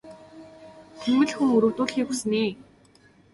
Тэнэмэл хүн өрөвдүүлэхийг л хүснэ ээ.